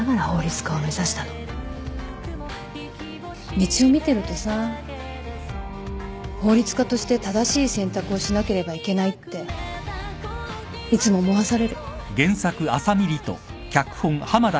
みちお見てるとさ法律家として正しい選択をしなければいけないっていつも思わされる。